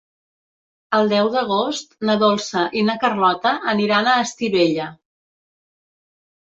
El deu d'agost na Dolça i na Carlota aniran a Estivella.